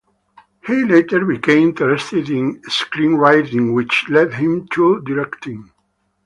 He later became interested in screenwriting, which led him to directing.